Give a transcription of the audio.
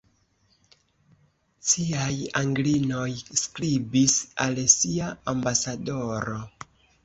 Ciaj Anglinoj skribis al sia ambasadoro.